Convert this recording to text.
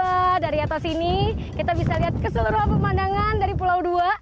pemandangan pulau dua dari atas sini kita bisa lihat keseluruhan pemandangan dari pulau dua